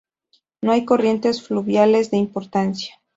No hay corrientes fluviales de importancia.